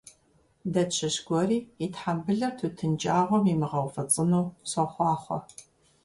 Дэ тщыщ гуэри и тхьэмбылыр тутын кӀагъуэм имыгъэуфӀыцӀыну сохъуахъуэ!